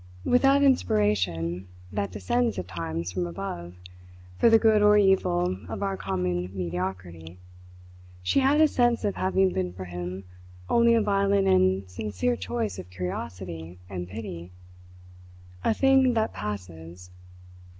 With that inspiration that descends at times from above for the good or evil of our common mediocrity, she had a sense of having been for him only a violent and sincere choice of curiosity and pity a thing that passes.